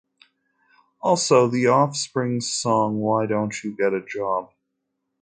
Also, The Offspring's song Why Don't You Get a Job?